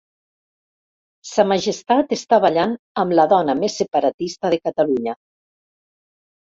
Sa Majestat està ballant amb la dona més separatista de Catalunya.